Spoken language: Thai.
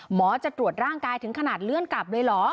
หมอจะตรวจร่างกายถึงขนาดเลื่อนกลับเลยเหรอ